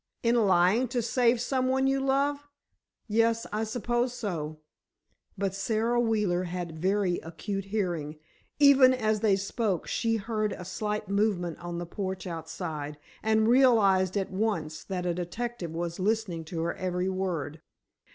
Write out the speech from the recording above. "In lying to save some one you love? Yes, I suppose so." But Sara Wheeler had very acute hearing. Even as they spoke, she heard a slight movement on the porch outside, and realized at once that a detective was listening to her every word.